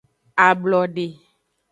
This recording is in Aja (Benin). Ablode.